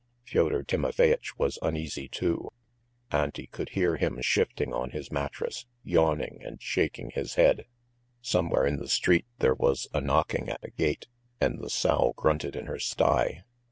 Fyodor Timofeyitch was uneasy too. Auntie could hear him shifting on his mattress, yawning and shaking his head. Somewhere in the street there was a knocking at a gate and the sow grunted in her sty.